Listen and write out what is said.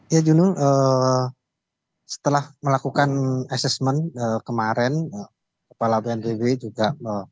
ya juno setelah melakukan asesmen kemarin kepala bnbb juga